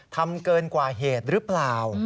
ทำเกินกว่าเหตุหรือเปล่า